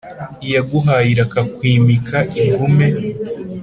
iyaguhaye irakakwimika ugume,